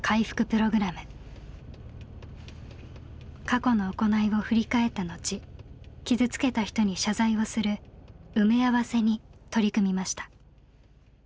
過去の行いを振り返った後傷つけた人に謝罪をする「埋め合わせ」に取り組みました。